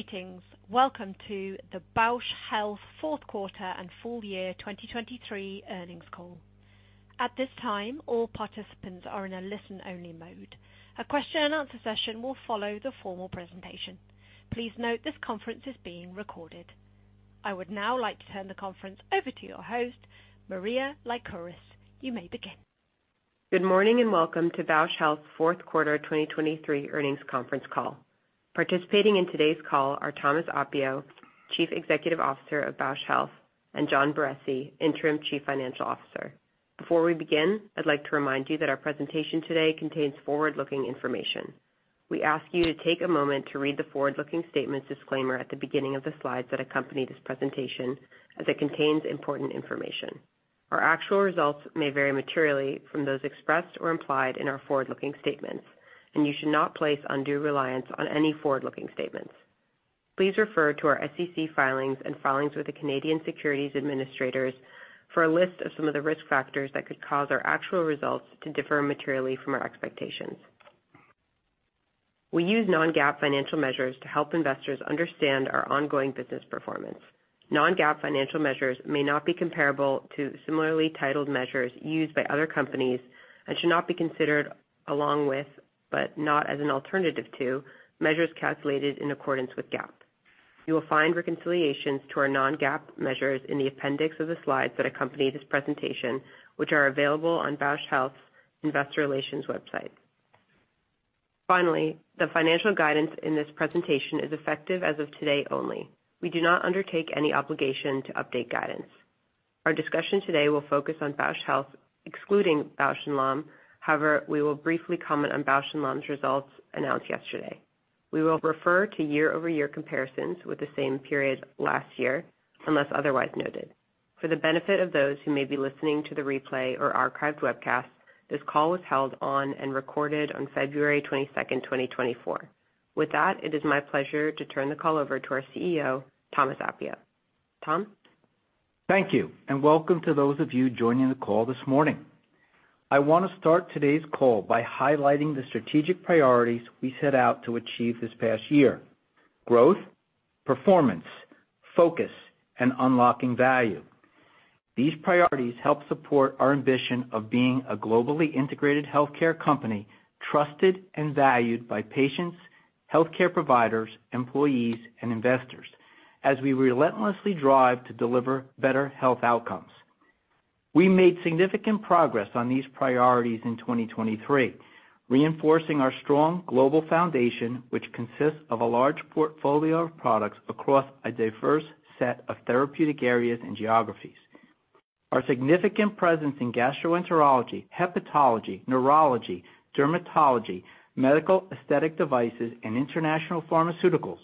Greetings! Welcome to the Bausch Health Fourth Quarter and Full Year 2023 Earnings Call. At this time, all participants are in a listen-only mode. A question-and-answer session will follow the formal presentation. Please note this conference is being recorded. I would now like to turn the conference over to your host, Maria Lukiris. You may begin. Good morning, and welcome to Bausch Health fourth quarter 2023 earnings conference call. Participating in today's call are Thomas Appio, Chief Executive Officer of Bausch Health, and John Barresi, Interim Chief Financial Officer. Before we begin, I'd like to remind you that our presentation today contains forward-looking information. We ask you to take a moment to read the forward-looking statements disclaimer at the beginning of the slides that accompany this presentation, as it contains important information. Our actual results may vary materially from those expressed or implied in our forward-looking statements, and you should not place undue reliance on any forward-looking statements. Please refer to our SEC filings and filings with the Canadian Securities Administrators for a list of some of the risk factors that could cause our actual results to differ materially from our expectations. We use non-GAAP financial measures to help investors understand our ongoing business performance. Non-GAAP financial measures may not be comparable to similarly titled measures used by other companies and should not be considered along with, but not as an alternative to, measures calculated in accordance with GAAP. You will find reconciliations to our non-GAAP measures in the appendix of the slides that accompany this presentation, which are available on Bausch Health's Investor Relations website. Finally, the financial guidance in this presentation is effective as of today only. We do not undertake any obligation to update guidance. Our discussion today will focus on Bausch Health, excluding Bausch + Lomb. However, we will briefly comment on Bausch + Lomb's results announced yesterday. We will refer to year-over-year comparisons with the same period last year, unless otherwise noted. For the benefit of those who may be listening to the replay or archived webcast, this call was held on and recorded on February 22, 2024. With that, it is my pleasure to turn the call over to our CEO, Thomas Appio. Tom? Thank you, and welcome to those of you joining the call this morning. I want to start today's call by highlighting the strategic priorities we set out to achieve this past year: growth, performance, focus, and unlocking value. These priorities help support our ambition of being a globally integrated healthcare company, trusted and valued by patients, healthcare providers, employees, and investors, as we relentlessly drive to deliver better health outcomes. We made significant progress on these priorities in 2023, reinforcing our strong global foundation, which consists of a large portfolio of products across a diverse set of therapeutic areas and geographies. Our significant presence in gastroenterology, hepatology, neurology, dermatology, medical aesthetic devices, and international pharmaceuticals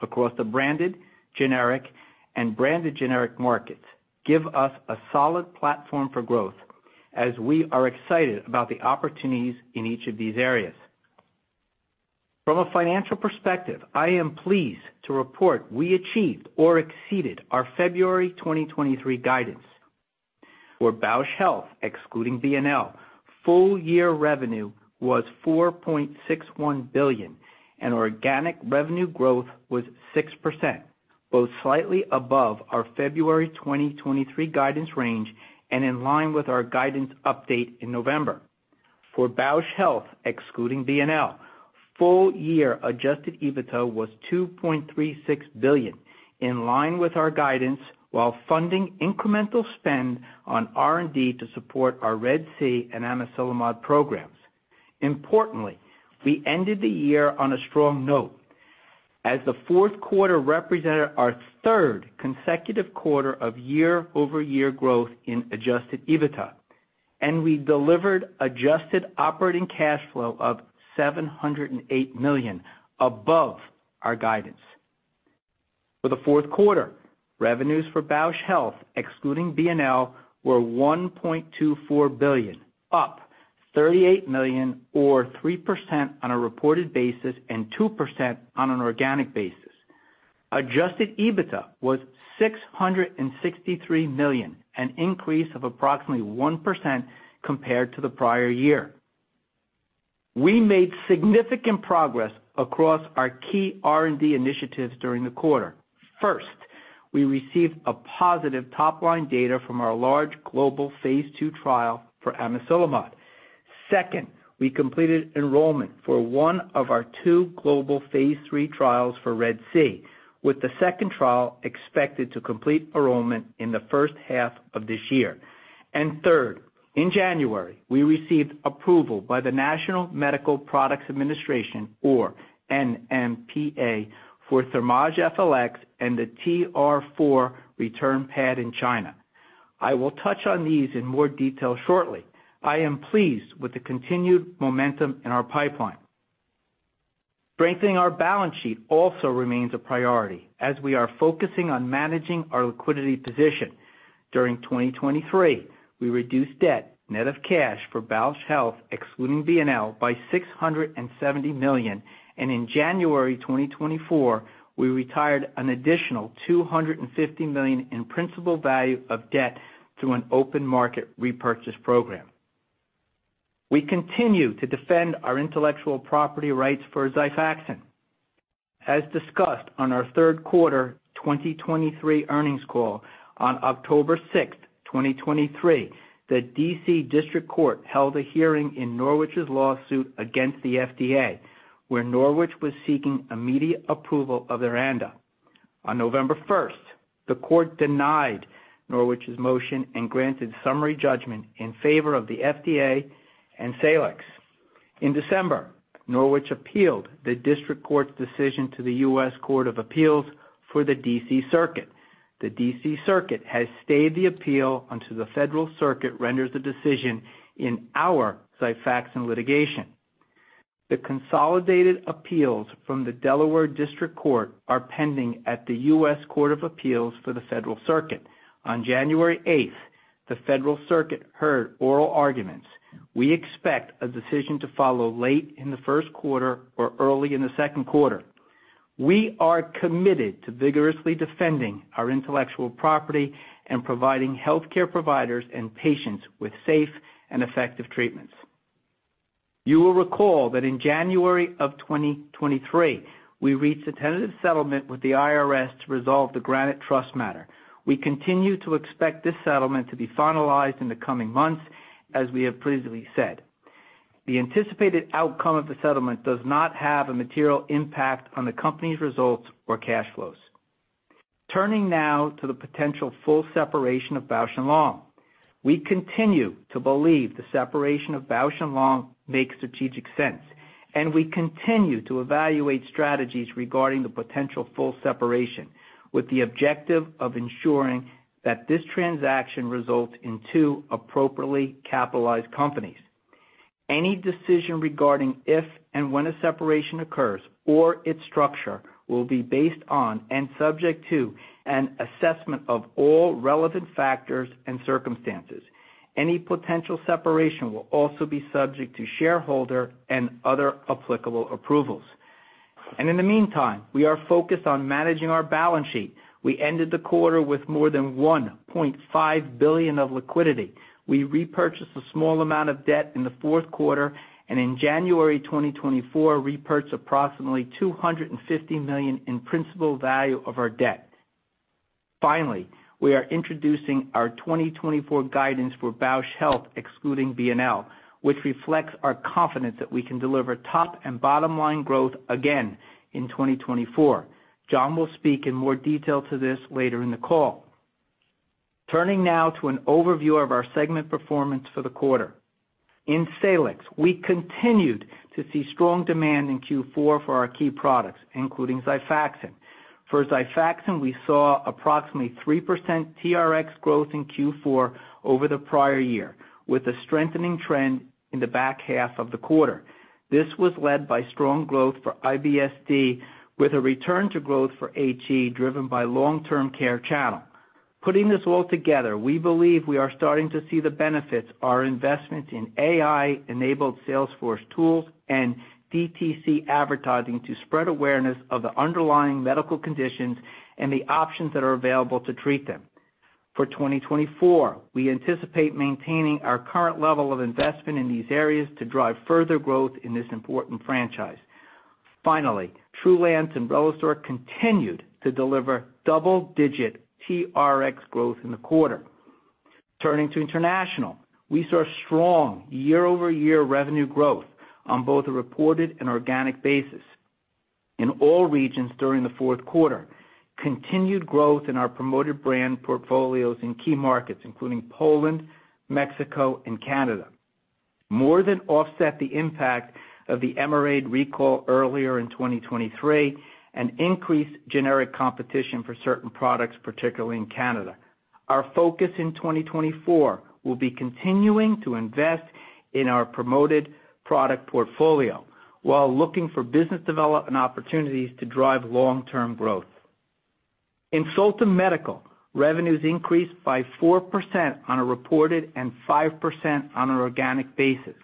across the branded, generic, and branded generic markets give us a solid platform for growth as we are excited about the opportunities in each of these areas. From a financial perspective, I am pleased to report we achieved or exceeded our February 2023 guidance, where Bausch Health, excluding B&L, full year revenue was $4.61 billion, and organic revenue growth was 6%, both slightly above our February 2023 guidance range and in line with our guidance update in November. For Bausch Health, excluding B&L, full year Adjusted EBITDA was $2.36 billion, in line with our guidance, while funding incremental spend on R&D to support our RED-C and Amiselimod programs. Importantly, we ended the year on a strong note as the fourth quarter represented our third consecutive quarter of year-over-year growth in adjusted EBITDA, and we delivered adjusted operating cash flow of $708 million above our guidance. For the fourth quarter, revenues for Bausch Health, excluding B&L, were $1.24 billion, up $38 million or 3% on a reported basis and 2% on an organic basis. Adjusted EBITDA was $663 million, an increase of approximately 1% compared to the prior year. We made significant progress across our key R&D initiatives during the quarter. First, we received a positive top-line data from our large global phase II trial for Amiselimod. Second, we completed enrollment for one of our two global phase III trials for RED-C, with the second trial expected to complete enrollment in the first half of this year. And third, in January, we received approval by the National Medical Products Administration, or NMPA, for Thermage FLX and the TR-4 return pad in China. I will touch on these in more detail shortly. I am pleased with the continued momentum in our pipeline. Strengthening our balance sheet also remains a priority as we are focusing on managing our liquidity position. During 2023, we reduced debt, net of cash, for Bausch Health, excluding B&L, by $670 million, and in January 2024, we retired an additional $250 million in principal value of debt through an open market repurchase program. We continue to defend our intellectual property rights for Xifaxan. As discussed on our Third Quarter 2023 Earnings Call, on October 6, 2023, the D.C. District Court held a hearing in Norwich's lawsuit against the FDA, where Norwich was seeking immediate approval of their ANDA. On November 1, the court denied Norwich's motion and granted summary judgment in favor of the FDA and Salix. In December, Norwich appealed the district court's decision to the U.S. Court of Appeals for the D.C. Circuit. The D.C. Circuit has stayed the appeal until the Federal Circuit renders a decision in our Xifaxan litigation. The consolidated appeals from the Delaware District Court are pending at the U.S. Court of Appeals for the Federal Circuit. On January eighth, the Federal Circuit heard oral arguments. We expect a decision to follow late in the first quarter or early in the second quarter. We are committed to vigorously defending our intellectual property and providing healthcare providers and patients with safe and effective treatments. You will recall that in January of 2023, we reached a tentative settlement with the IRS to resolve the Granite Trust matter. We continue to expect this settlement to be finalized in the coming months, as we have previously said. The anticipated outcome of the settlement does not have a material impact on the company's results or cash flows. Turning now to the potential full separation of Bausch + Lomb. We continue to believe the separation of Bausch + Lomb makes strategic sense, and we continue to evaluate strategies regarding the potential full separation, with the objective of ensuring that this transaction results in two appropriately capitalized companies. Any decision regarding if and when a separation occurs or its structure will be based on and subject to an assessment of all relevant factors and circumstances. Any potential separation will also be subject to shareholder and other applicable approvals. In the meantime, we are focused on managing our balance sheet. We ended the quarter with more than $1.5 billion of liquidity. We repurchased a small amount of debt in the fourth quarter, and in January 2024, repurchased approximately $250 million in principal value of our debt. Finally, we are introducing our 2024 guidance for Bausch Health, excluding B&L, which reflects our confidence that we can deliver top and bottom line growth again in 2024. John will speak in more detail to this later in the call. Turning now to an overview of our segment performance for the quarter. In Salix, we continued to see strong demand in Q4 for our key products, including Xifaxan. For Xifaxan, we saw approximately 3% TRx growth in Q4 over the prior year, with a strengthening trend in the back half of the quarter. This was led by strong growth for IBS-D, with a return to growth for HE, driven by long-term care channel. Putting this all together, we believe we are starting to see the benefits of our investment in AI-enabled Salesforce tools and DTC advertising to spread awareness of the underlying medical conditions and the options that are available to treat them. For 2024, we anticipate maintaining our current level of investment in these areas to drive further growth in this important franchise. Finally, Trulance and Relistor continued to deliver double-digit TRx growth in the quarter. Turning to international, we saw strong year-over-year revenue growth on both a reported and organic basis in all regions during the fourth quarter. Continued growth in our promoted brand portfolios in key markets, including Poland, Mexico, and Canada, more than offset the impact of the Emerade recall earlier in 2023 and increased generic competition for certain products, particularly in Canada. Our focus in 2024 will be continuing to invest in our promoted product portfolio while looking for business development opportunities to drive long-term growth. In Solta Medical, revenues increased by 4% on a reported and 5% on an organic basis,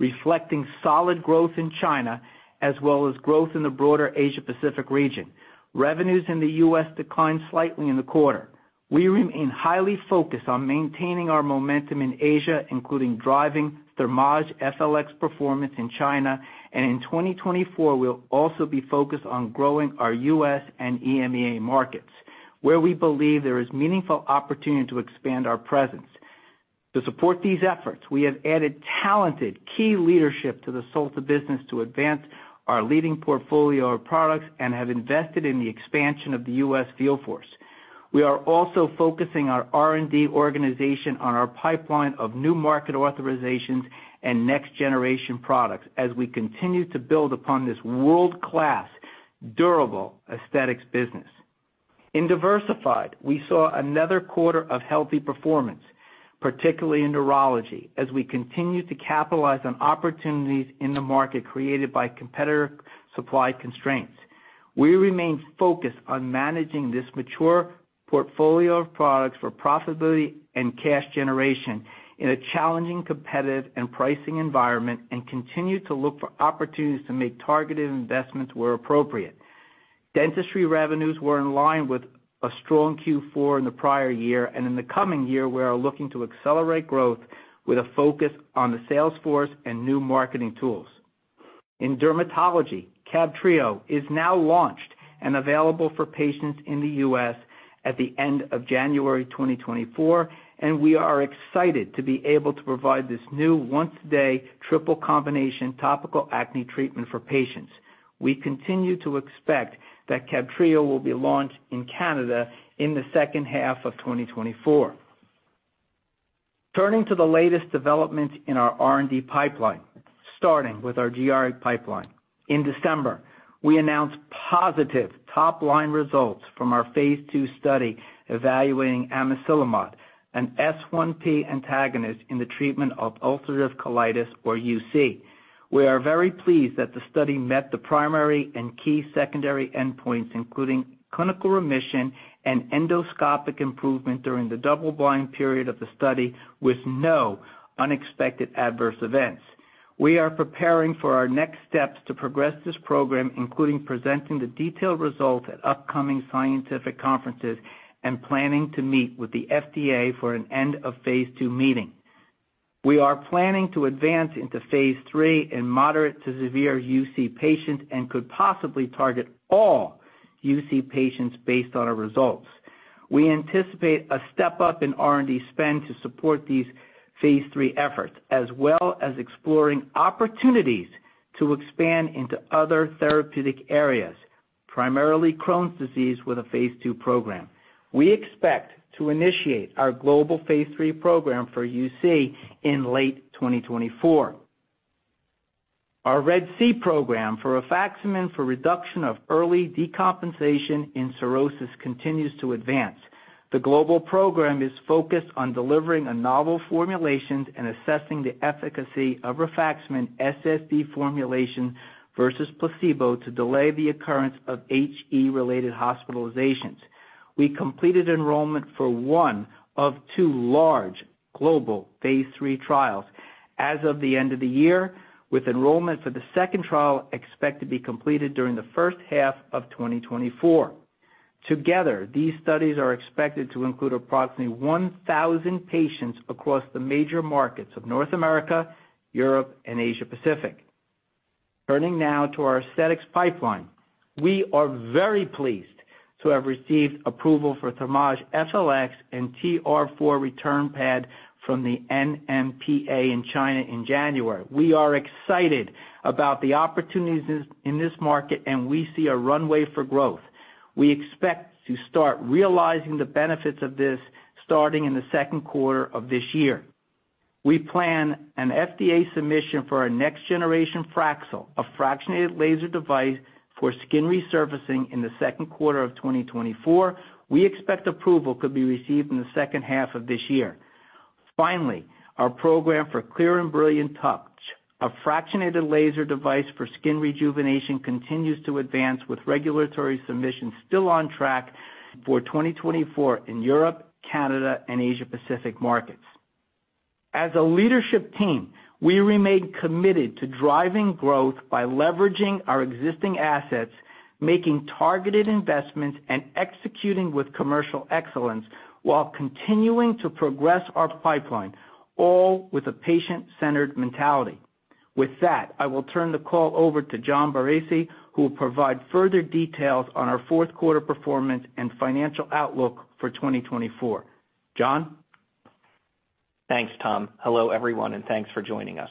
reflecting solid growth in China as well as growth in the broader Asia Pacific region. Revenues in the U.S. declined slightly in the quarter. We remain highly focused on maintaining our momentum in Asia, including driving Thermage FLX performance in China, and in 2024, we'll also be focused on growing our U.S. and EMEA markets, where we believe there is meaningful opportunity to expand our presence. To support these efforts, we have added talented key leadership to the Solta business to advance our leading portfolio of products and have invested in the expansion of the U.S. field force. We are also focusing our R&D organization on our pipeline of new market authorizations and next-generation products as we continue to build upon this world-class, durable aesthetics business. In Diversified, we saw another quarter of healthy performance, particularly in neurology, as we continue to capitalize on opportunities in the market created by competitor supply constraints. We remain focused on managing this mature portfolio of products for profitability and cash generation in a challenging, competitive, and pricing environment, and continue to look for opportunities to make targeted investments where appropriate. Dentistry revenues were in line with a strong Q4 in the prior year, and in the coming year, we are looking to accelerate growth with a focus on the sales force and new marketing tools. In dermatology, CABTREO is now launched and available for patients in the U.S. at the end of January 2024, and we are excited to be able to provide this new once-a-day triple combination topical acne treatment for patients. We continue to expect that CABTREO will be launched in Canada in the second half of 2024. Turning to the latest developments in our R&D pipeline, starting with our GI pipeline. In December, we announced positive top-line results from our phase 2 study evaluating Amiselimod, an S1P antagonist in the treatment of ulcerative colitis, or UC. We are very pleased that the study met the primary and key secondary endpoints, including clinical remission and endoscopic improvement during the double blind period of the study, with no unexpected adverse events. We are preparing for our next steps to progress this program, including presenting the detailed result at upcoming scientific conferences and planning to meet with the FDA for an end of phase II meeting. We are planning to advance into phase III in moderate to severe UC patients and could possibly target all UC patients based on our results. We anticipate a step-up in R&D spend to support these phase III efforts, as well as exploring opportunities to expand into other therapeutic areas, primarily Crohn's disease, with a phase II program. We expect to initiate our global phase III program for UC in late 2024. Our RED-C program for rifaximin for reduction of early decompensation in cirrhosis continues to advance. The global program is focused on delivering a novel formulation and assessing the efficacy of rifaximin SSD formulation versus placebo to delay the occurrence of HE-related hospitalizations. We completed enrollment for one of two large global phase III trials as of the end of the year, with enrollment for the second trial expected to be completed during the first half of 2024. Together, these studies are expected to include approximately 1,000 patients across the major markets of North America, Europe, and Asia Pacific. Turning now to our aesthetics pipeline. We are very pleased to have received approval for Thermage FLX and TR-4 return pad from the NMPA in China in January. We are excited about the opportunities in this market, and we see a runway for growth. We expect to start realizing the benefits of this starting in the second quarter of this year. We plan an FDA submission for our next generation Fraxel, a fractionated laser device for skin resurfacing, in the second quarter of 2024. We expect approval could be received in the second half of this year. Finally, our program for Clear + Brilliant Touch, a fractionated laser device for skin rejuvenation, continues to advance with regulatory submissions still on track for 2024 in Europe, Canada, and Asia Pacific markets. As a leadership team, we remain committed to driving growth by leveraging our existing assets, making targeted investments, and executing with commercial excellence, while continuing to progress our pipeline, all with a patient-centered mentality. With that, I will turn the call over to John Barresi, who will provide further details on our fourth quarter performance and financial outlook for 2024. John? Thanks, Tom. Hello, everyone, and thanks for joining us.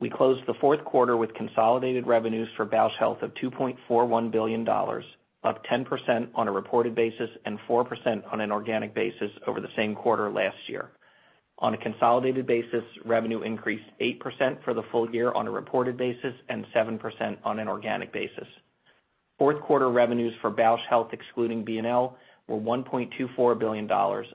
We closed the fourth quarter with consolidated revenues for Bausch Health of $2.41 billion, up 10% on a reported basis and 4% on an organic basis over the same quarter last year. On a consolidated basis, revenue increased 8% for the full year on a reported basis and 7% on an organic basis. Fourth quarter revenues for Bausch Health, excluding B&L, were $1.24 billion,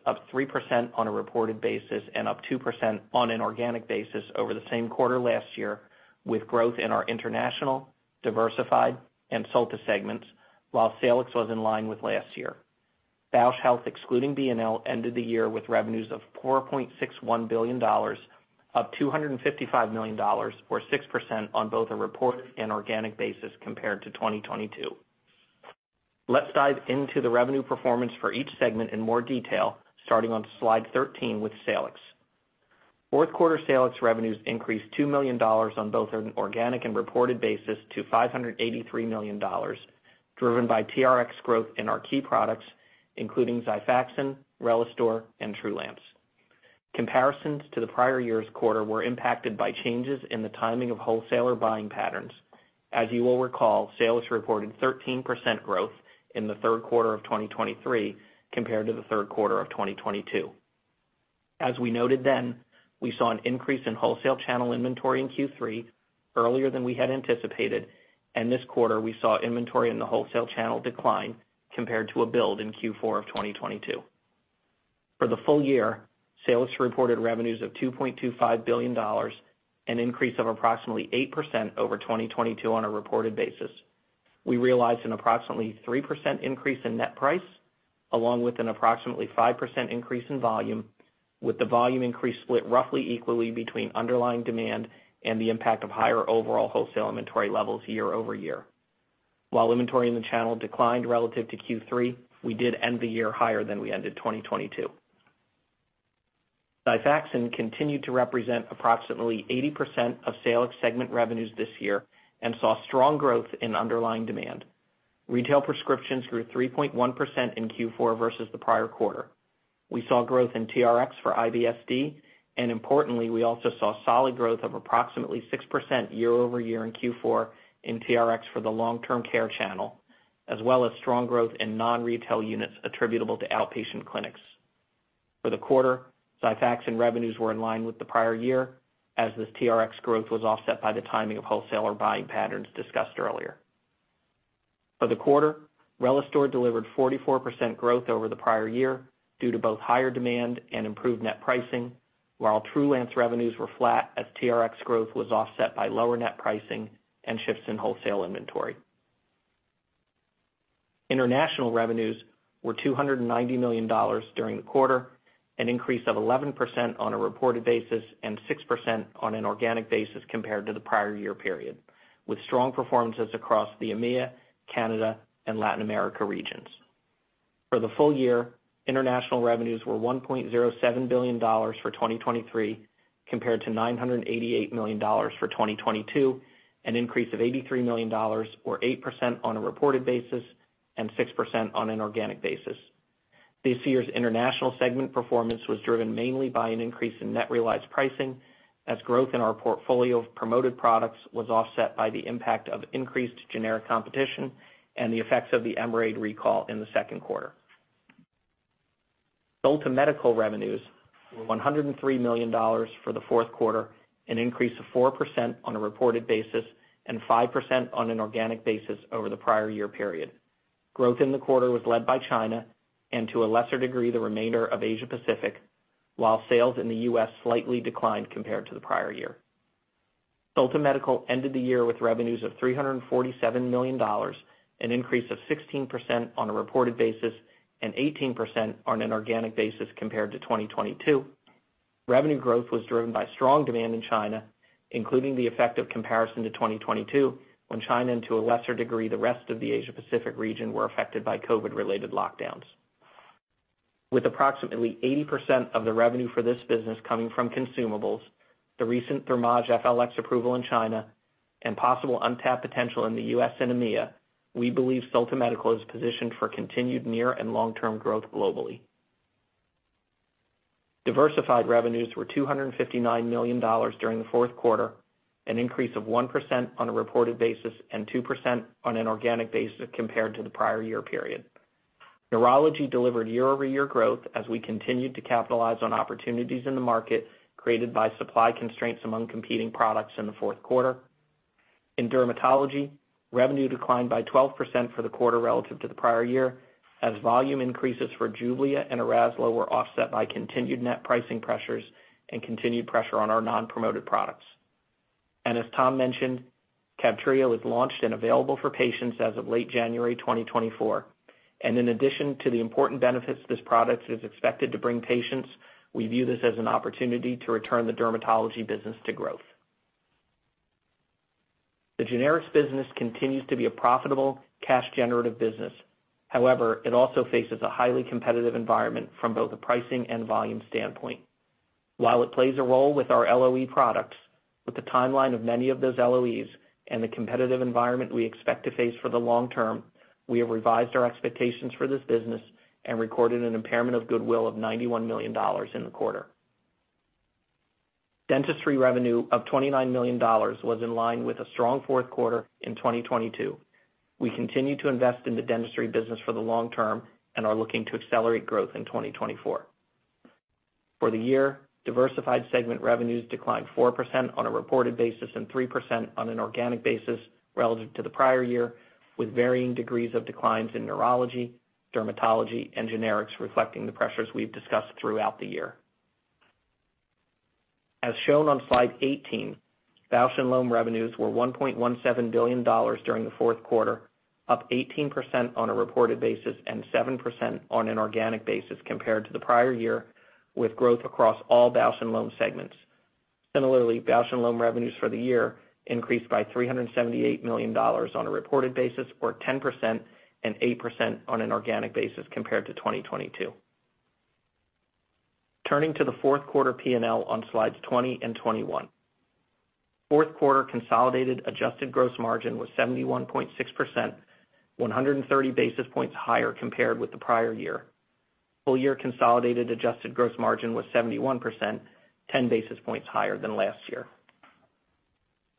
up 3% on a reported basis and up 2% on an organic basis over the same quarter last year, with growth in our international, diversified, and Solta segments, while Salix was in line with last year. Bausch Health, excluding B&L, ended the year with revenues of $4.61 billion, up $255 million, or 6% on both a reported and organic basis compared to 2022. Let's dive into the revenue performance for each segment in more detail, starting on slide 13 with Salix. Fourth quarter Salix revenues increased $2 million on both an organic and reported basis to $583 million, driven by TRx growth in our key products, including Xifaxan, Relistor, and Trulance. Comparisons to the prior year's quarter were impacted by changes in the timing of wholesaler buying patterns. As you will recall, Salix reported 13% growth in the third quarter of 2023 compared to the third quarter of 2022. As we noted then, we saw an increase in wholesale channel inventory in Q3 earlier than we had anticipated, and this quarter, we saw inventory in the wholesale channel decline compared to a build in Q4 of 2022. For the full year, Salix reported revenues of $2.25 billion, an increase of approximately 8% over 2022 on a reported basis. We realized an approximately 3% increase in net price-... along with an approximately 5% increase in volume, with the volume increase split roughly equally between underlying demand and the impact of higher overall wholesale inventory levels year-over-year. While inventory in the channel declined relative to Q3, we did end the year higher than we ended 2022. Xifaxan continued to represent approximately 80% of Salix segment revenues this year and saw strong growth in underlying demand. Retail prescriptions grew 3.1% in Q4 versus the prior quarter. We saw growth in TRx for IBS-D, and importantly, we also saw solid growth of approximately 6% year-over-year in Q4 in TRx for the long-term care channel, as well as strong growth in non-retail units attributable to outpatient clinics. For the quarter, Xifaxan revenues were in line with the prior year, as this TRx growth was offset by the timing of wholesaler buying patterns discussed earlier. For the quarter, Relistor delivered 44% growth over the prior year due to both higher demand and improved net pricing, while Trulance revenues were flat as TRx growth was offset by lower net pricing and shifts in wholesale inventory. International revenues were $290 million during the quarter, an increase of 11% on a reported basis and 6% on an organic basis compared to the prior year period, with strong performances across the EMEA, Canada, and Latin America regions. For the full year, international revenues were $1.07 billion for 2023, compared to $988 million for 2022, an increase of $83 million, or 8% on a reported basis and 6% on an organic basis. This year's international segment performance was driven mainly by an increase in net realized pricing, as growth in our portfolio of promoted products was offset by the impact of increased generic competition and the effects of the Emerade recall in the second quarter. Solta Medical revenues were $103 million for the fourth quarter, an increase of 4% on a reported basis and 5% on an organic basis over the prior year period. Growth in the quarter was led by China and, to a lesser degree, the remainder of Asia-Pacific, while sales in the U.S. slightly declined compared to the prior year. Solta Medical ended the year with revenues of $347 million, an increase of 16% on a reported basis and 18% on an organic basis compared to 2022. Revenue growth was driven by strong demand in China, including the effect of comparison to 2022, when China, and to a lesser degree, the rest of the Asia-Pacific region, were affected by COVID-related lockdowns. With approximately 80% of the revenue for this business coming from consumables, the recent Thermage FLX approval in China, and possible untapped potential in the U.S. and EMEA, we believe Solta Medical is positioned for continued near- and long-term growth globally. Diversified revenues were $259 million during the fourth quarter, an increase of 1% on a reported basis and 2% on an organic basis compared to the prior year period. Neurology delivered year-over-year growth as we continued to capitalize on opportunities in the market created by supply constraints among competing products in the fourth quarter. In dermatology, revenue declined by 12% for the quarter relative to the prior year, as volume increases for Jublia and Arazlo were offset by continued net pricing pressures and continued pressure on our non-promoted products. As Tom mentioned, CABTREO was launched and available for patients as of late January 2024. In addition to the important benefits this product is expected to bring patients, we view this as an opportunity to return the dermatology business to growth. The generics business continues to be a profitable, cash-generative business. However, it also faces a highly competitive environment from both a pricing and volume standpoint. While it plays a role with our LOE products, with the timeline of many of those LOEs and the competitive environment we expect to face for the long term, we have revised our expectations for this business and recorded an impairment of goodwill of $91 million in the quarter. Dentistry revenue of $29 million was in line with a strong fourth quarter in 2022. We continue to invest in the dentistry business for the long term and are looking to accelerate growth in 2024. For the year, diversified segment revenues declined 4% on a reported basis and 3% on an organic basis relative to the prior year, with varying degrees of declines in neurology, dermatology, and generics, reflecting the pressures we've discussed throughout the year. As shown on slide 18, Bausch + Lomb revenues were $1.17 billion during the fourth quarter, up 18% on a reported basis and 7% on an organic basis compared to the prior year, with growth across all Bausch + Lomb segments. Similarly, Bausch + Lomb revenues for the year increased by $378 million on a reported basis, or 10% and 8% on an organic basis compared to 2022. Turning to the fourth quarter P&L on slides 20 and 21. Fourth quarter consolidated adjusted gross margin was 71.6%, 130 basis points higher compared with the prior year. Full year consolidated adjusted gross margin was 71%, 10 basis points higher than last year.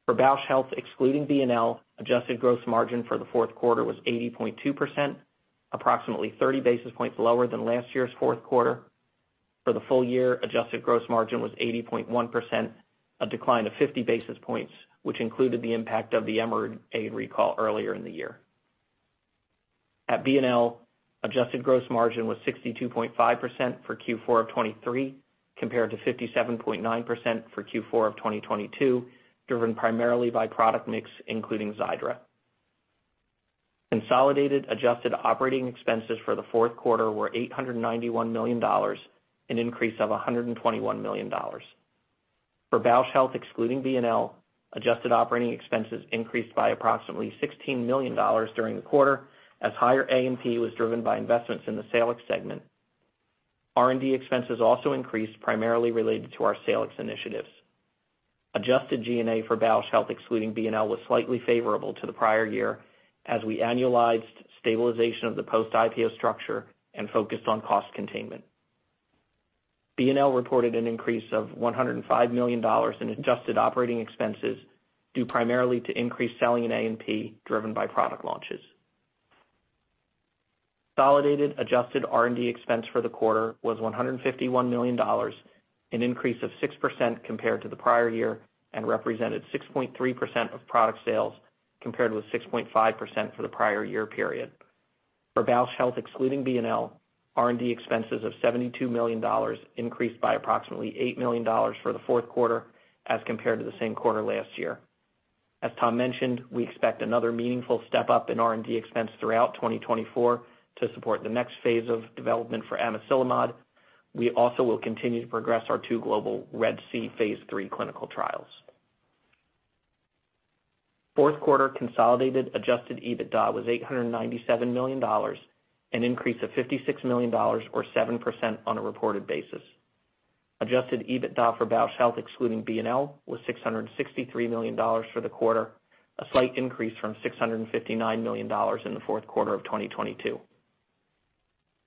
For Bausch Health, excluding B&L, adjusted gross margin for the fourth quarter was 80.2%, approximately 30 basis points lower than last year's fourth quarter. For the full year, adjusted gross margin was 80.1%, a decline of 50 basis points, which included the impact of the Emerade recall earlier in the year. At B&L, adjusted gross margin was 62.5% for Q4 of 2023 compared to 57.9% for Q4 of 2022, driven primarily by product mix, including Xiidra. Consolidated adjusted operating expenses for the fourth quarter were $891 million, an increase of $121 million. For Bausch Health, excluding B&L, adjusted operating expenses increased by approximately $16 million during the quarter, as higher A&P was driven by investments in the Salix segment. R&D expenses also increased, primarily related to our Salix initiatives. Adjusted G&A for Bausch Health, excluding B&L, was slightly favorable to the prior year as we annualized stabilization of the post-IPO structure and focused on cost containment. B&L reported an increase of $105 million in adjusted operating expenses, due primarily to increased selling and A&P, driven by product launches. Consolidated adjusted R&D expense for the quarter was $151 million, an increase of 6% compared to the prior year, and represented 6.3% of product sales, compared with 6.5% for the prior year period. For Bausch Health, excluding B&L, R&D expenses of $72 million increased by approximately $8 million for the fourth quarter as compared to the same quarter last year. As Tom mentioned, we expect another meaningful step-up in R&D expense throughout 2024 to support the next phase of development for Amiselimod. We also will continue to progress our 2 global RED-C phase III clinical trials. Fourth quarter consolidated adjusted EBITDA was $897 million, an increase of $56 million or 7% on a reported basis. Adjusted EBITDA for Bausch Health, excluding B&L, was $663 million for the quarter, a slight increase from $659 million in the fourth quarter of 2022.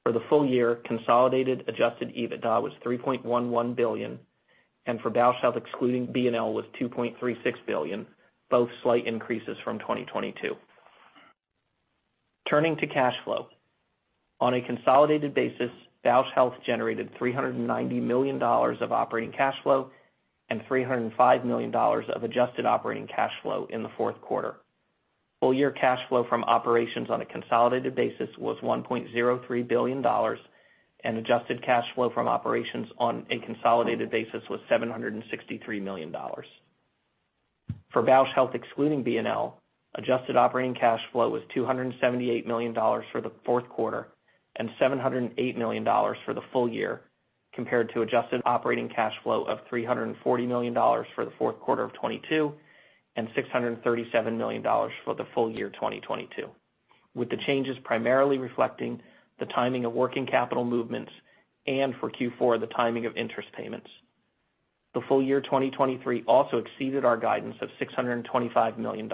For the full year, consolidated adjusted EBITDA was $3.11 billion, and for Bausch Health, excluding B&L, was $2.36 billion, both slight increases from 2022. Turning to cash flow. On a consolidated basis, Bausch Health generated $390 million of operating cash flow and $305 million of adjusted operating cash flow in the fourth quarter. Full-year cash flow from operations on a consolidated basis was $1.03 billion, and adjusted cash flow from operations on a consolidated basis was $763 million. For Bausch Health, excluding B&L, adjusted operating cash flow was $278 million for the fourth quarter and $708 million for the full year, compared to adjusted operating cash flow of $340 million for the fourth quarter of 2022, and $637 million for the full year 2022, with the changes primarily reflecting the timing of working capital movements, and for Q4, the timing of interest payments. The full year 2023 also exceeded our guidance of $625 million,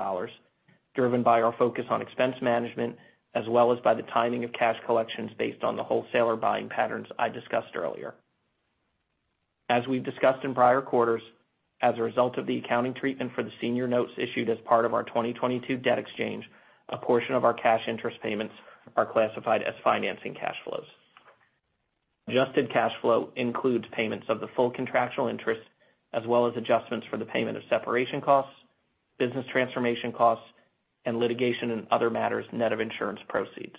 driven by our focus on expense management, as well as by the timing of cash collections based on the wholesaler buying patterns I discussed earlier. As we've discussed in prior quarters, as a result of the accounting treatment for the senior notes issued as part of our 2022 debt exchange, a portion of our cash interest payments are classified as financing cash flows. Adjusted cash flow includes payments of the full contractual interest, as well as adjustments for the payment of separation costs, business transformation costs, and litigation and other matters, net of insurance proceeds.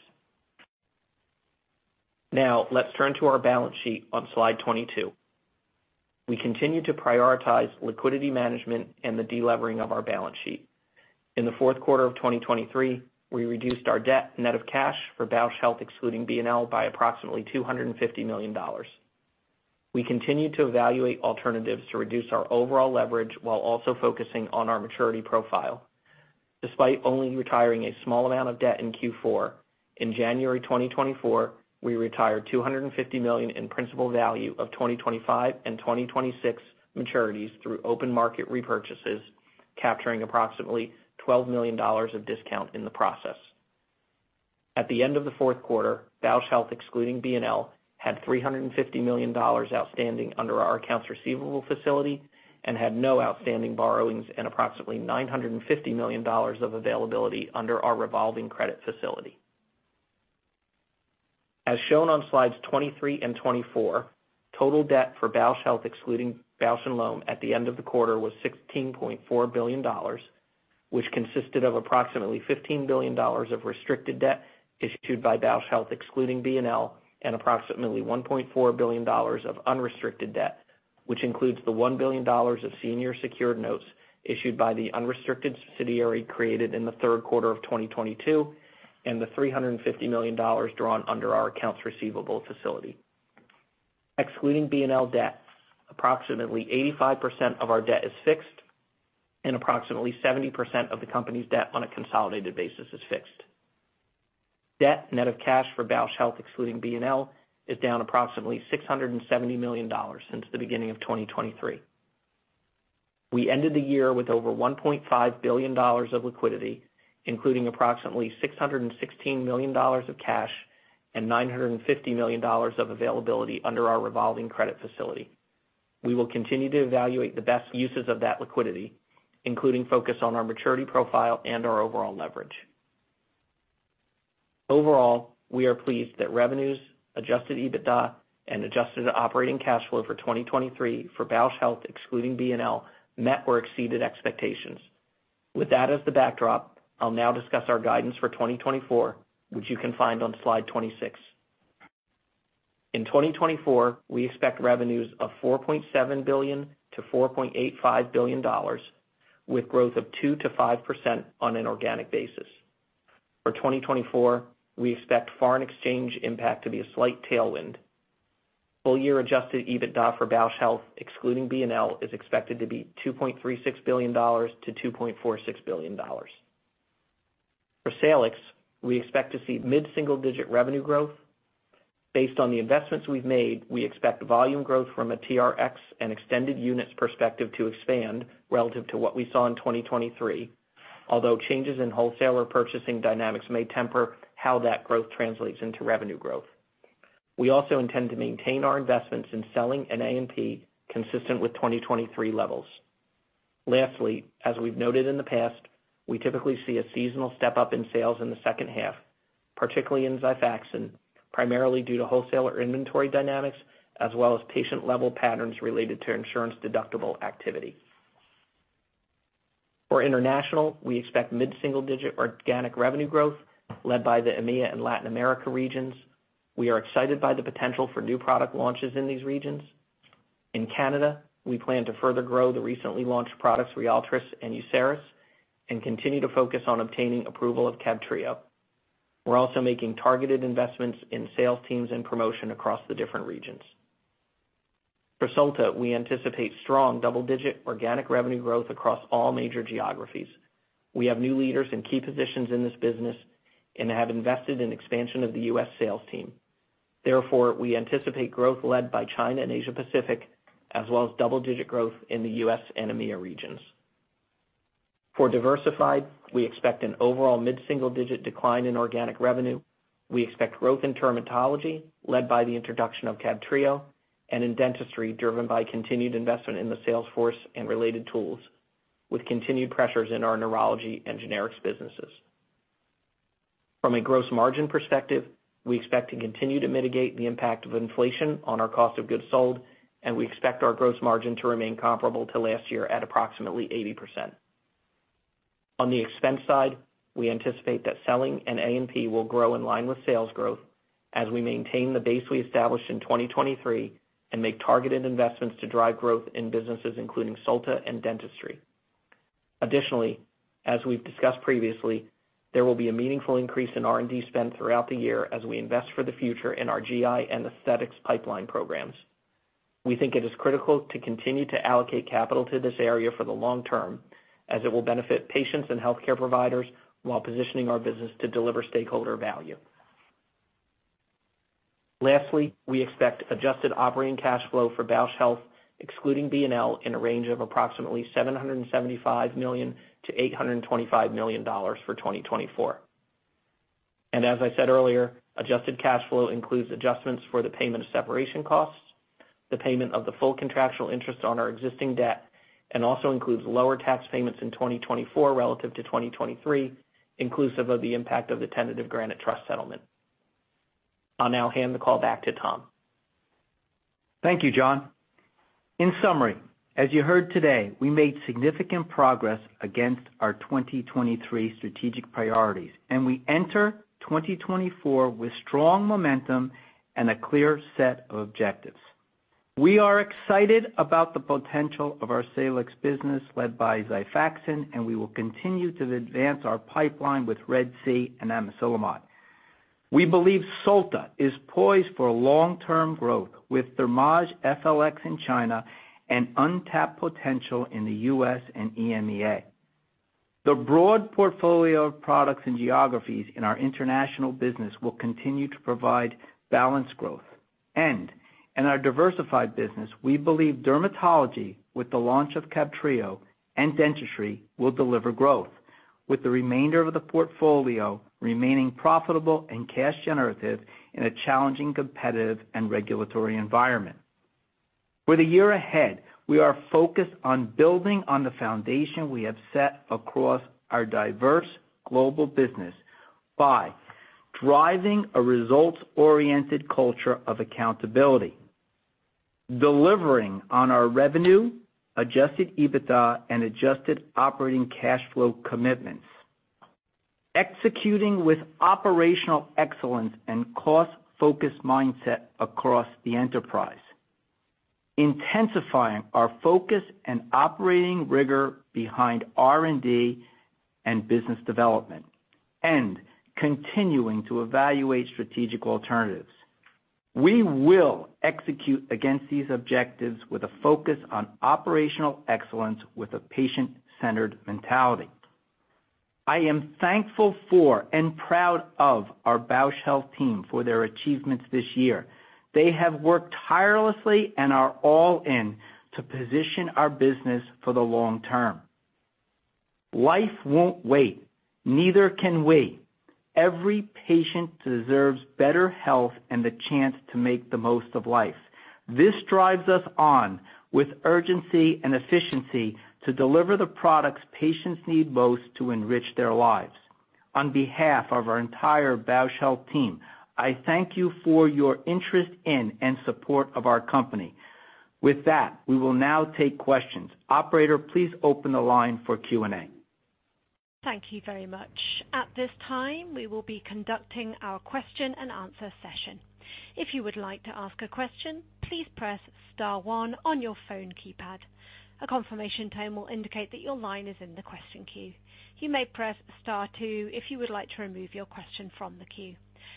Now, let's turn to our balance sheet on slide 22. We continue to prioritize liquidity management and the delevering of our balance sheet. In the fourth quarter of 2023, we reduced our debt net of cash for Bausch Health, excluding B&L, by approximately $250 million. We continue to evaluate alternatives to reduce our overall leverage while also focusing on our maturity profile. Despite only retiring a small amount of debt in Q4, in January 2024, we retired $250 million in principal value of 2025 and 2026 maturities through open market repurchases, capturing approximately $12 million of discount in the process. At the end of the fourth quarter, Bausch Health, excluding B&L, had $350 million outstanding under our accounts receivable facility and had no outstanding borrowings and approximately $950 million of availability under our revolving credit facility. As shown on slides 23 and 24, total debt for Bausch Health, excluding Bausch + Lomb, at the end of the quarter was $16.4 billion, which consisted of approximately $15 billion of restricted debt issued by Bausch Health, excluding B&L, and approximately $1.4 billion of unrestricted debt, which includes the $1 billion of senior secured notes issued by the unrestricted subsidiary created in the third quarter of 2022, and the $350 million drawn under our accounts receivable facility. Excluding B&L debt, approximately 85% of our debt is fixed, and approximately 70% of the company's debt on a consolidated basis is fixed. Debt net of cash for Bausch Health, excluding B&L, is down approximately $670 million since the beginning of 2023. We ended the year with over $1.5 billion of liquidity, including approximately $616 million of cash and $950 million of availability under our revolving credit facility. We will continue to evaluate the best uses of that liquidity, including focus on our maturity profile and our overall leverage. Overall, we are pleased that revenues, adjusted EBITDA, and adjusted operating cash flow for 2023 for Bausch Health, excluding B&L, met or exceeded expectations. With that as the backdrop, I'll now discuss our guidance for 2024, which you can find on slide 26. In 2024, we expect revenues of $4.7 billion-$4.85 billion, with growth of 2%-5% on an organic basis. For 2024, we expect foreign exchange impact to be a slight tailwind. Full year adjusted EBITDA for Bausch Health, excluding B&L, is expected to be $2.36 billion-$2.46 billion. For Salix, we expect to see mid-single-digit revenue growth. Based on the investments we've made, we expect volume growth from a TRx and extended units perspective to expand relative to what we saw in 2023, although changes in wholesaler purchasing dynamics may temper how that growth translates into revenue growth. We also intend to maintain our investments in selling and A&P, consistent with 2023 levels. Lastly, as we've noted in the past, we typically see a seasonal step-up in sales in the second half, particularly in Xifaxan, primarily due to wholesaler inventory dynamics, as well as patient-level patterns related to insurance deductible activity. For international, we expect mid-single-digit organic revenue growth, led by the EMEA and Latin America regions. We are excited by the potential for new product launches in these regions. In Canada, we plan to further grow the recently launched products, Ryaltris and UCERIS, and continue to focus on obtaining approval of CABTREO. We're also making targeted investments in sales teams and promotion across the different regions. For Solta, we anticipate strong double-digit organic revenue growth across all major geographies. We have new leaders in key positions in this business and have invested in expansion of the U.S. sales team. Therefore, we anticipate growth led by China and Asia Pacific, as well as double-digit growth in the U.S. and EMEA regions. For diversified, we expect an overall mid-single-digit decline in organic revenue. We expect growth in dermatology, led by the introduction of CABTREO, and in dentistry, driven by continued investment in the sales force and related tools, with continued pressures in our neurology and generics businesses. From a gross margin perspective, we expect to continue to mitigate the impact of inflation on our cost of goods sold, and we expect our gross margin to remain comparable to last year at approximately 80%. On the expense side, we anticipate that selling and A&P will grow in line with sales growth as we maintain the base we established in 2023, and make targeted investments to drive growth in businesses, including Solta and Dentistry. Additionally, as we've discussed previously, there will be a meaningful increase in R&D spend throughout the year as we invest for the future in our GI and aesthetics pipeline programs. We think it is critical to continue to allocate capital to this area for the long term, as it will benefit patients and healthcare providers while positioning our business to deliver stakeholder value. Lastly, we expect adjusted operating cash flow for Bausch Health, excluding B&L, in a range of approximately $775 million-$825 million for 2024. As I said earlier, adjusted cash flow includes adjustments for the payment of separation costs, the payment of the full contractual interest on our existing debt, and also includes lower tax payments in 2024 relative to 2023, inclusive of the impact of the tentative Granite Trust settlement. I'll now hand the call back to Tom. Thank you, John. In summary, as you heard today, we made significant progress against our 2023 strategic priorities, and we enter 2024 with strong momentum and a clear set of objectives. We are excited about the potential of our Salix business, led by Xifaxan, and we will continue to advance our pipeline with RED-C and Amiselimod. We believe Solta is poised for long-term growth, with Thermage FLX in China and untapped potential in the U.S. and EMEA. The broad portfolio of products and geographies in our international business will continue to provide balanced growth. And in our diversified business, we believe dermatology, with the launch of CABTREO and dentistry, will deliver growth, with the remainder of the portfolio remaining profitable and cash generative in a challenging, competitive, and regulatory environment. For the year ahead, we are focused on building on the foundation we have set across our diverse global business by driving a results-oriented culture of accountability, delivering on our revenue, adjusted EBITDA, and adjusted operating cash flow commitments, executing with operational excellence and cost-focused mindset across the enterprise, intensifying our focus and operating rigor behind R&D and business development, and continuing to evaluate strategic alternatives. We will execute against these objectives with a focus on operational excellence with a patient-centered mentality. I am thankful for and proud of our Bausch Health team for their achievements this year. They have worked tirelessly and are all in to position our business for the long term. Life won't wait. Neither can we. Every patient deserves better health and the chance to make the most of life. This drives us on with urgency and efficiency to deliver the products patients need most to enrich their lives. On behalf of our entire Bausch Health team, I thank you for your interest in and support of our company. With that, we will now take questions. Operator, please open the line for Q&A. Thank you very much. At this time, we will be conducting our question-and-answer session. If you would like to ask a question, please press star one on your phone keypad. A confirmation tone will indicate that your line is in the question queue. You may press star two if you would like to remove your question from the queue.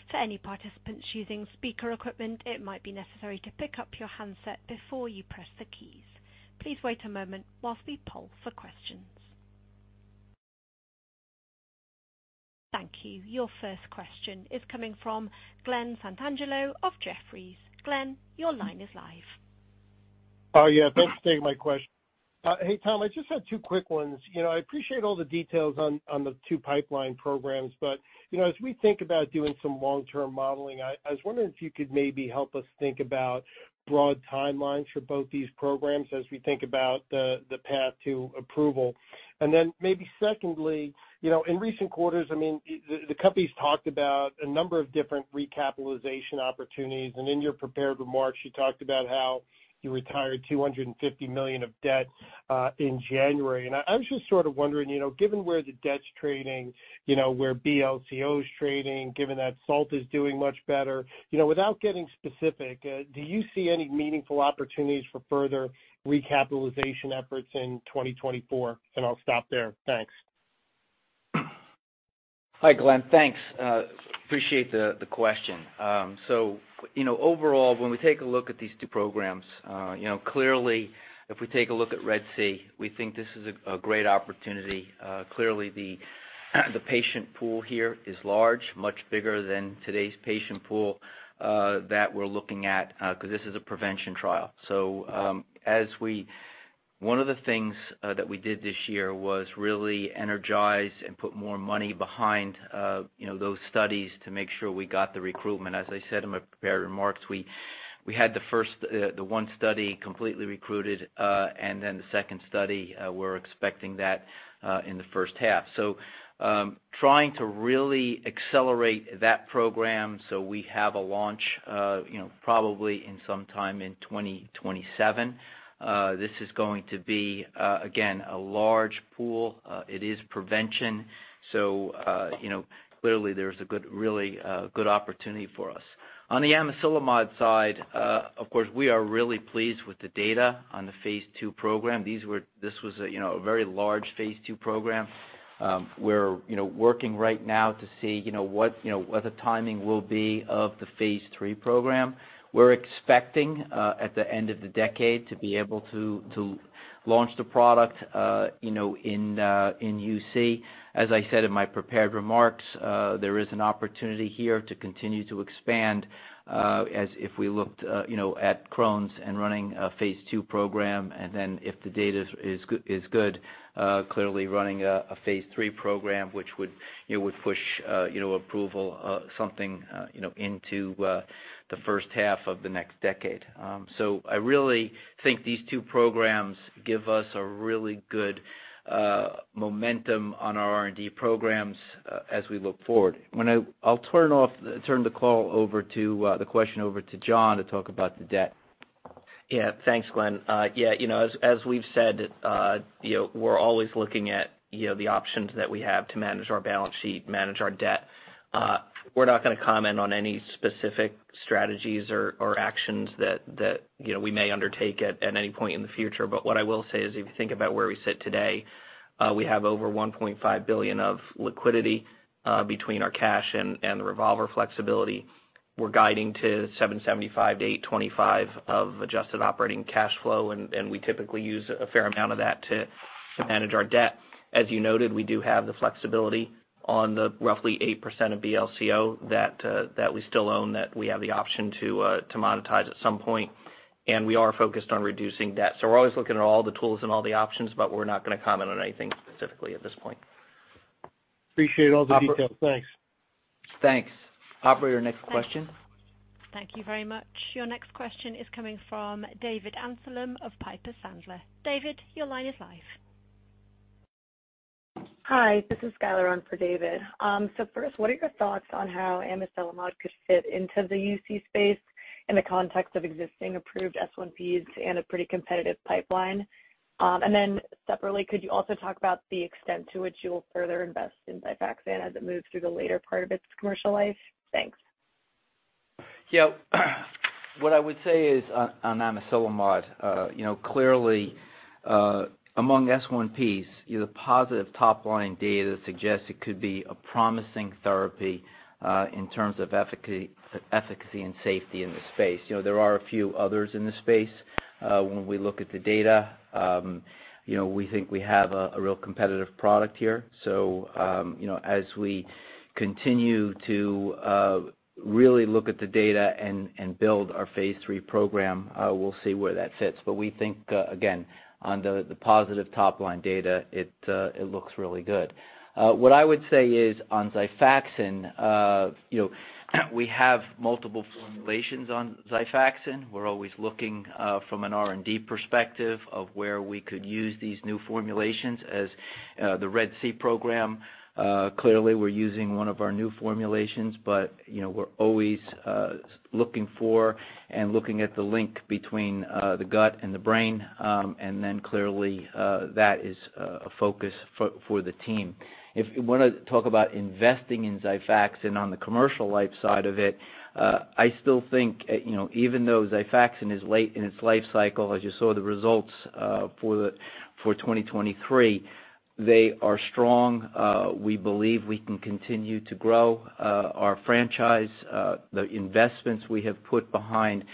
For any participants using speaker equipment, it might be necessary to pick up your handset before you press the keys. Please wait a moment while we poll for questions. Thank you. Your first question is coming from Glenn Santangelo of Jefferies. Glenn, your line is live. Oh, yeah. Thanks for taking my question. Hey, Tom, I just had two quick ones. You know, I appreciate all the details on, on the two pipeline programs, but, you know, as we think about doing some long-term modeling, I was wondering if you could maybe help us think about broad timelines for both these programs as we think about the, the path to approval. And then maybe secondly, you know, in recent quarters, I mean, the, the company's talked about a number of different recapitalization opportunities, and in your prepared remarks, you talked about how you retired $250 million of debt in January. I, I was just sort of wondering, you know, given where the debt's trading, you know, where BLCO is trading, given that Solta is doing much better, you know, without getting specific, do you see any meaningful opportunities for further recapitalization efforts in 2024? And I'll stop there. Thanks. Hi, Glen. Thanks. Appreciate the question. So, you know, overall, when we take a look at these two programs, you know, clearly, if we take a look at RED-C, we think this is a great opportunity. Clearly, the patient pool here is large, much bigger than today's patient pool that we're looking at, 'cause this is a prevention trial. So, one of the things that we did this year was really energize and put more money behind, you know, those studies to make sure we got the recruitment. As I said in my prepared remarks, we had the first, the one study completely recruited, and then the second study, we're expecting that in the first half. So, trying to really accelerate that program so we have a launch, you know, probably in some time in 2027. This is going to be, again, a large pool. It is prevention, so, you know, clearly, there's a good, really, good opportunity for us. On the Amiselimod side, of course, we are really pleased with the data on the phase II program. This was a, you know, a very large phase II program. We're, you know, working right now to see, you know, what, you know, what the timing will be of the phase III program. We're expecting, at the end of the decade to be able to, to launch the product, you know, in, in UC. As I said in my prepared remarks, there is an opportunity here to continue to expand, as if we looked, you know, at Crohn's and running a phase II program, and then if the data is, is good, clearly running a, a phase III program, which would, you know, would push, you know, approval, something, you know, into the first half of the next decade. So I really think these two programs give us a really good momentum on our R&D programs, as we look forward. I'll turn the call over to John to talk about the debt. Yeah. Thanks, Glen. Yeah, you know, as we've said, you know, we're always looking at, you know, the options that we have to manage our balance sheet, manage our debt. We're not gonna comment on any specific strategies or actions that you know, we may undertake at any point in the future. But what I will say is, if you think about where we sit today, we have over $1.5 billion of liquidity between our cash and the revolver flexibility. We're guiding to $775 million-$825 million of adjusted operating cash flow, and we typically use a fair amount of that to manage our debt. As you noted, we do have the flexibility on the roughly 8% of BLCO that we still own, that we have the option to monetize at some point, and we are focused on reducing debt. So we're always looking at all the tools and all the options, but we're not gonna comment on anything specifically at this point. Appreciate all the details. Thanks. Thanks. Operator, your next question? Thank you very much. Your next question is coming from David Amsellem of Piper Sandler. David, your line is live. Hi, this is Schuyler on for David. So first, what are your thoughts on how Amiselimod could fit into the UC space in the context of existing approved S1Ps and a pretty competitive pipeline? And then separately, could you also talk about the extent to which you will further invest in Xifaxan as it moves through the later part of its commercial life? Thanks. Yeah. What I would say is on Amiselimod, you know, clearly, among S1Ps, the positive top-line data suggests it could be a promising therapy in terms of efficacy, efficacy, and safety in the space. You know, there are a few others in the space. When we look at the data, you know, we think we have a real competitive product here. So, you know, as we continue to really look at the data and build our phase III program, we'll see where that fits. But we think, again, on the positive top-line data, it looks really good. What I would say is, on Xifaxan, you know, we have multiple formulations on Xifaxan. We're always looking from an R&D perspective of where we could use these new formulations as the RED-C program. Clearly, we're using one of our new formulations, but, you know, we're always looking for and looking at the link between the gut and the brain, and then clearly that is a focus for the team. If you wanna talk about investing in Xifaxan on the commercial side of it, I still think, you know, even though Xifaxan is late in its life cycle, as you saw the results for 2023, they are strong. We believe we can continue to grow our franchise, the investments we have put behind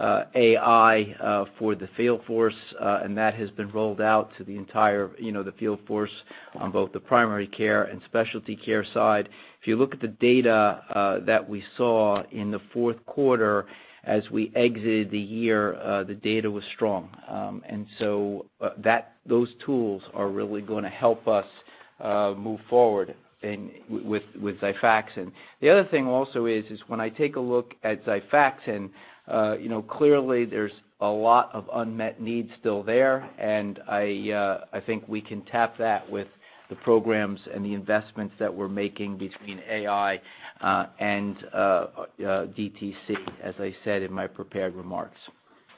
AI for the field force, and that has been rolled out to the entire, you know, the field force on both the primary care and specialty care side. If you look at the data, that we saw in the fourth quarter as we exited the year, the data was strong. And so, those tools are really gonna help us, move forward in, with, with Xifaxan. The other thing also is, is when I take a look at Xifaxan, you know, clearly there's a lot of unmet needs still there, and I, I think we can tap that with the programs and the investments that we're making between AI, and, and, DTC, as I said in my prepared remarks.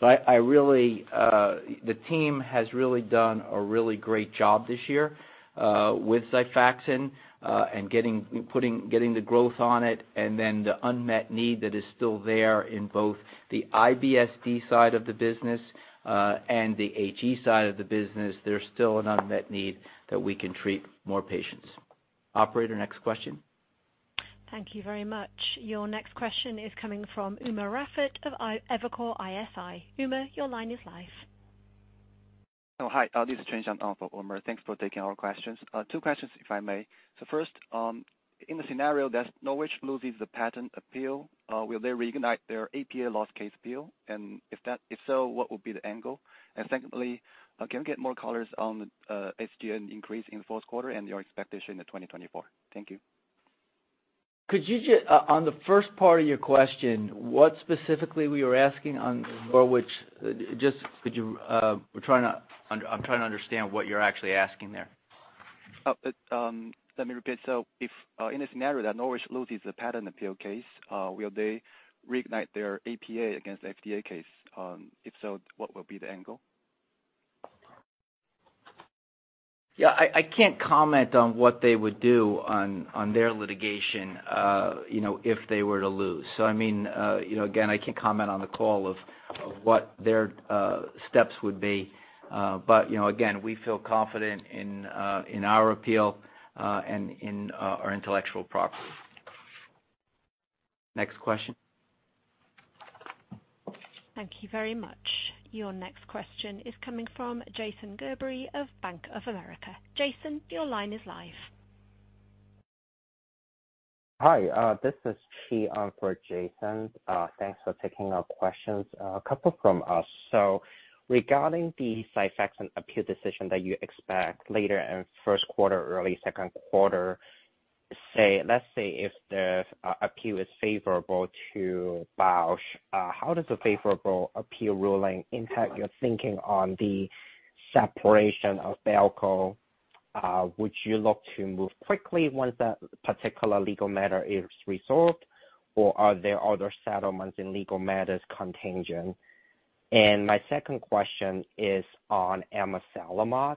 But I really, the team has really done a really great job this year with Xifaxan and getting the growth on it, and then the unmet need that is still there in both the IBS-D side of the business and the HE side of the business. There's still an unmet need that we can treat more patients. Operator, next question. Thank you very much. Your next question is coming from Umer Raffat of Evercore ISI. Umer, your line is live. Oh, hi, this is James on for Umer. Thanks for taking our questions. Two questions, if I may. First, in the scenario that Norwich loses the patent appeal, will they reignite their APA lawsuit appeal? And if so, what would be the angle? And secondly, can we get more color on the SG&A increase in the fourth quarter and your expectation in 2024? Thank you. Could you just, on the first part of your question, what specifically we were asking on for which... Just could you, we're trying to, I'm trying to understand what you're actually asking there. Oh, but let me repeat. So if in a scenario that Norwich loses the patent appeal case, will they reignite their APA and FDA case? If so, what will be the angle? Yeah, I can't comment on what they would do on their litigation, you know, if they were to lose. So I mean, you know, again, I can't comment on the call of what their steps would be. But you know, again, we feel confident in our appeal and in our intellectual property. Next question. Thank you very much. Your next question is coming from Jason Gerberry of Bank of America. Jason, your line is live. Hi, this is Chi for Jason. Thanks for taking our questions. A couple from us. So regarding the Xifaxan appeal decision that you expect later in first quarter, early second quarter, say, let's say if the appeal is favorable to Bausch, how does a favorable appeal ruling impact your thinking on the separation of Bausch + Lomb? Would you look to move quickly once that particular legal matter is resolved, or are there other settlements in legal matters contingent? And my second question is on Amiselimod.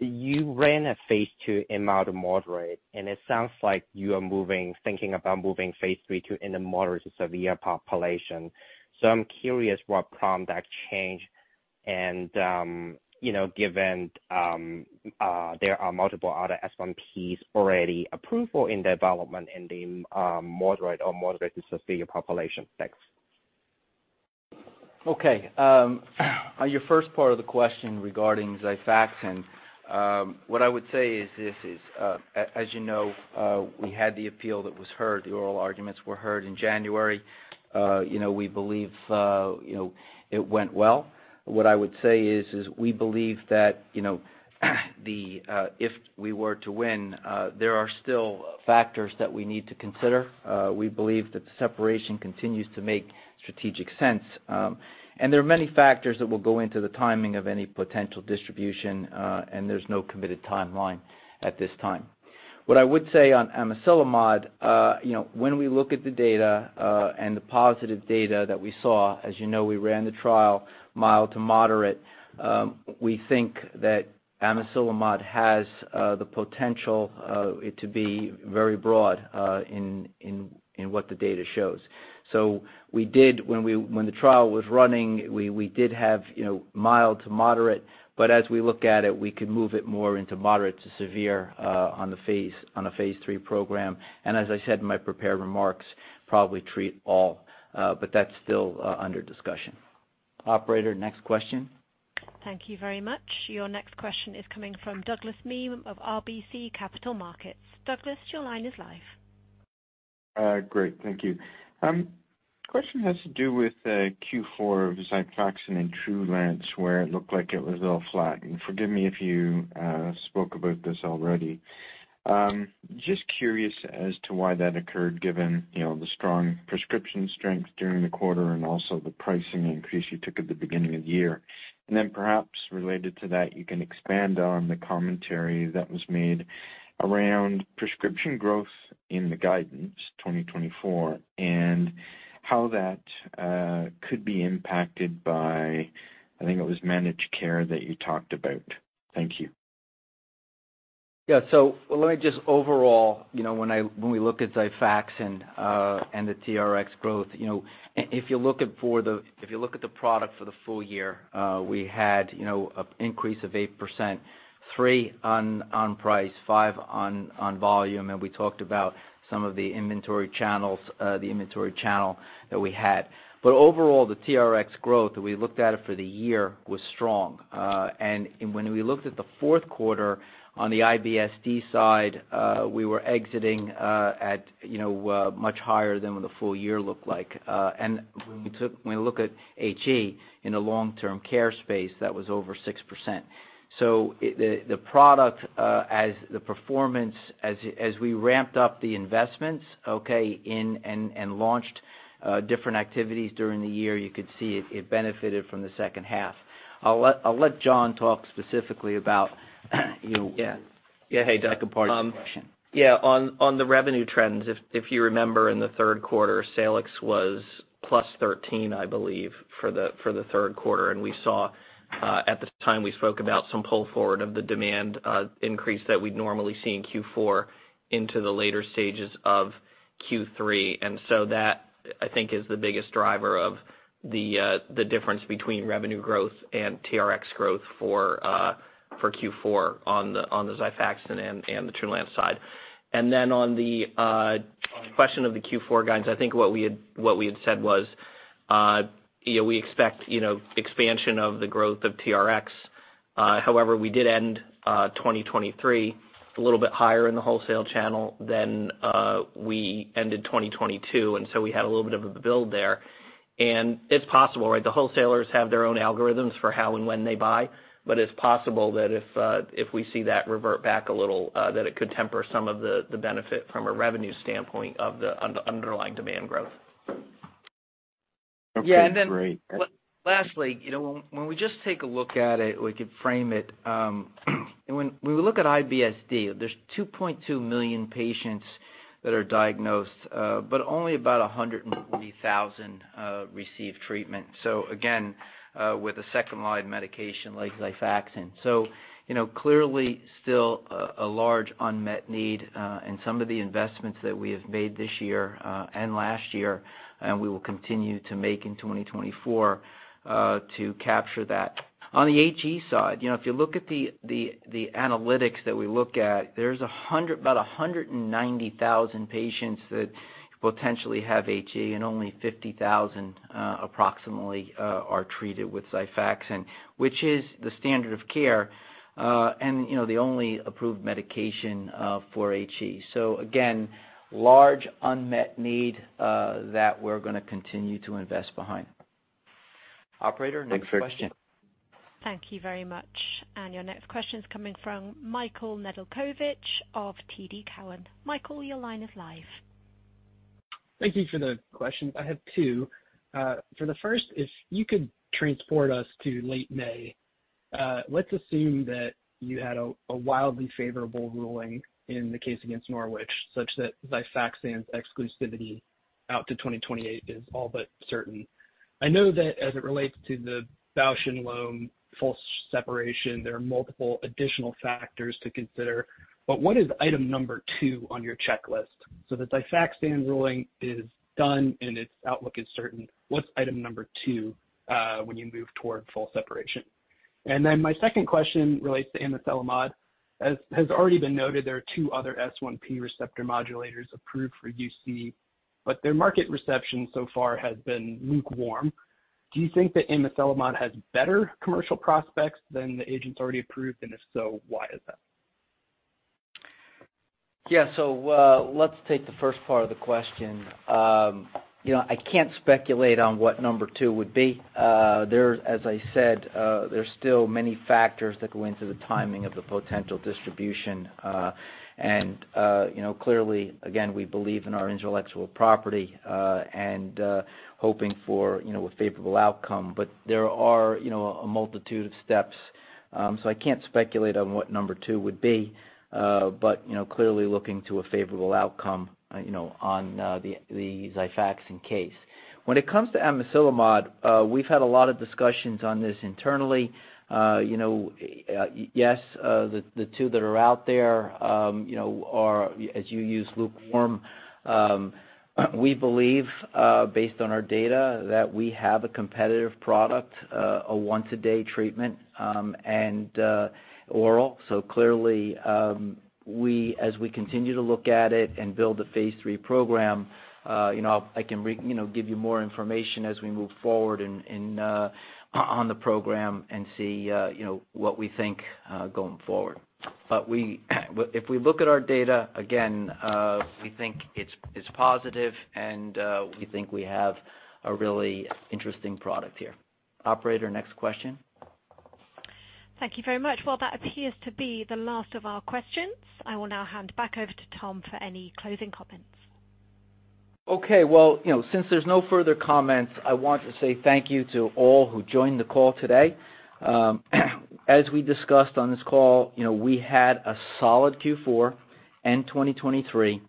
You ran a phase II in mild to moderate, and it sounds like you are moving, thinking about moving phase III to in the moderate to severe population. So I'm curious what prompted that change, and you know, given there are multiple other S1Ps already approved in development in the moderate or moderate to severe population. Thanks. Okay, on your first part of the question regarding Xifaxan, what I would say is this, as you know, we had the appeal that was heard, the oral arguments were heard in January. You know, we believe, you know, it went well. What I would say is we believe that, you know, if we were to win, there are still factors that we need to consider. We believe that the separation continues to make strategic sense, and there are many factors that will go into the timing of any potential distribution, and there's no committed timeline at this time. What I would say on Amiselimod, you know, when we look at the data, and the positive data that we saw, as you know, we ran the trial mild to moderate. We think that Amiselimod has the potential it to be very broad in what the data shows. So we did—when the trial was running, we did have, you know, mild to moderate, but as we look at it, we could move it more into moderate to severe on a phase III program. And as I said in my prepared remarks, probably treat all, but that's still under discussion. Operator, next question. Thank you very much. Your next question is coming from Douglas Miehm of RBC Capital Markets. Douglas, your line is live. Great, thank you. Question has to do with Q4 of Xifaxan and Trulance, where it looked like it was all flat. And forgive me if you spoke about this already. Just curious as to why that occurred, given, you know, the strong prescription strength during the quarter and also the pricing increase you took at the beginning of the year. And then perhaps related to that, you can expand on the commentary that was made around prescription growth in the guidance, 2024, and how that could be impacted by, I think it was managed care that you talked about. Thank you. Yeah, so let me just overall, you know, when we look at Xifaxan, and the TRx growth, you know, if you look at the product for the full year, we had, you know, an increase of 8%, 3 on price, 5 on volume, and we talked about some of the inventory channels, the inventory channel that we had. But overall, the TRx growth we looked at it for the year was strong. And when we looked at the fourth quarter on the IBS-D side, we were exiting at, you know, much higher than what the full year looked like. And when we look at HE in the long-term care space, that was over 6%. So the product's performance as we ramped up the investments, okay, and launched different activities during the year, you could see it benefited from the second half. I'll let John talk specifically about you- Yeah. Yeah, hey, Doug. Second part of the question. Yeah, on the revenue trends, if you remember in the third quarter, Salix was +13, I believe, for the third quarter. And we saw at the time we spoke about some pull forward of the demand increase that we'd normally see in Q4 into the later stages of Q3. And so that, I think, is the biggest driver of the difference between revenue growth and TRx growth for Q4 on the Xifaxan and the Trulance side. And then on the question of the Q4 guidance, I think what we had, what we had said was, you know, we expect, you know, expansion of the growth of TRx. However, we did end 2023 a little bit higher in the wholesale channel than we ended 2022, and so we had a little bit of a build there. It's possible, right? The wholesalers have their own algorithms for how and when they buy, but it's possible that if we see that revert back a little, that it could temper some of the benefit from a revenue standpoint of the underlying demand growth. Yeah, and then- Great. Lastly, you know, when we just take a look at it, we could frame it, and when we look at IBS-D, there's 2.2 million patients that are diagnosed, but only about 120,000 receive treatment. So again, with a second-line medication like Xifaxan. So, you know, clearly still a large unmet need, and some of the investments that we have made this year, and last year, and we will continue to make in 2024, to capture that. On the HE side, you know, if you look at the analytics that we look at, there's a hundred... about 190,000 patients that potentially have HE, and only 50,000, approximately, are treated with Xifaxan, which is the standard of care, and, you know, the only approved medication, for HE. So again, large unmet need, that we're gonna continue to invest behind. Operator, next question. Thanks for the question. Thank you very much. And your next question is coming from Michael Nedelcovych of TD Cowen. Michael, your line is live. Thank you for the question. I have two. For the first, if you could transport us to late May, let's assume that you had a wildly favorable ruling in the case against Norwich, such that Xifaxan's exclusivity out to 2028 is all but certain. I know that as it relates to the Bausch + Lomb full separation, there are multiple additional factors to consider, but what is item number two on your checklist? So the Xifaxan ruling is done and its outlook is certain. What's item number two when you move toward full separation? And then my second question relates to Amiselimod. As has already been noted, there are two other S1P receptor modulators approved for UC, but their market reception so far has been lukewarm. Do you think that Amiselimod has better commercial prospects than the agents already approved? If so, why is that? Yeah, so, let's take the first part of the question. You know, I can't speculate on what number two would be. There are, as I said, there are still many factors that go into the timing of the potential distribution. And, you know, clearly, again, we believe in our intellectual property, and hoping for, you know, a favorable outcome. But there are, you know, a multitude of steps, so I can't speculate on what number two would be, but, you know, clearly looking to a favorable outcome, you know, on the Xifaxan case. When it comes to Amiselimod, we've had a lot of discussions on this internally. You know, yes, the two that are out there, you know, are, as you use, lukewarm. We believe, based on our data, that we have a competitive product, a once-a-day treatment, and oral. So clearly, as we continue to look at it and build a phase III program, you know, I can give you more information as we move forward and on the program and see, you know, what we think going forward. But we, if we look at our data, again, we think it's positive, and we think we have a really interesting product here. Operator, next question. Thank you very much. Well, that appears to be the last of our questions. I will now hand back over to Tom for any closing comments. Okay, well, you know, since there's no further comments, I want to say thank you to all who joined the call today. As we discussed on this call, you know, we had a solid Q4 and 2023.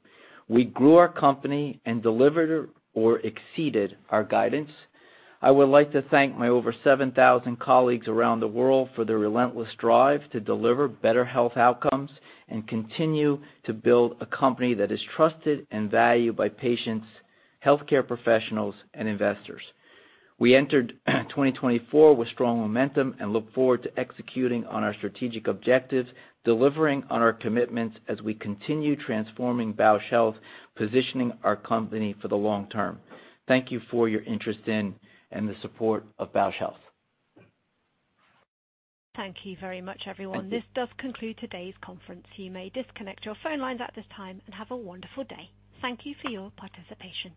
We grew our company and delivered or exceeded our guidance. I would like to thank my over 7,000 colleagues around the world for their relentless drive to deliver better health outcomes and continue to build a company that is trusted and valued by patients, healthcare professionals, and investors. We entered 2024 with strong momentum and look forward to executing on our strategic objectives, delivering on our commitments as we continue transforming Bausch Health, positioning our company for the long term. Thank you for your interest in and the support of Bausch Health. Thank you very much, everyone. Thank you. This does conclude today's conference. You may disconnect your phone lines at this time and have a wonderful day. Thank you for your participation.